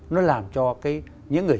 nó làm cho những người